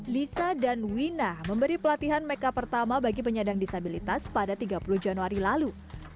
lisa dan wina memberi pelatihan makeup pertama bagi penyandang disabilitas pada tiga puluh januari lalu